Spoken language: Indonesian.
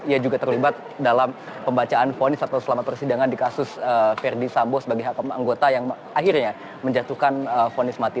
ia juga terlibat dalam pembacaan ponis atau selamat persidangan di kasus verdi sambos bagi hak anggota yang akhirnya menjatuhkan ponis mati